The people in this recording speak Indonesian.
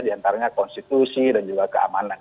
di antaranya konstitusi dan juga keamanan